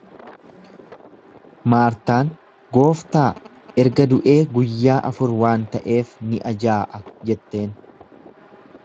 Maartaan, Gooftaa, erga du'ee guyyaa afur waan ta'eef ni ajaa'a jetteen.